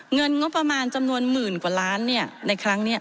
เงินงบประมาณจำนวนหมื่นกว่าล้านในครั้งนี้